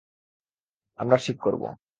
আমরা ঠিক করবো।